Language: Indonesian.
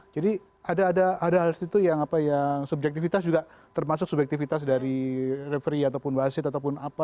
jadi ada hal itu yang subjektivitas juga termasuk subjektivitas dari referee ataupun wasit ataupun apa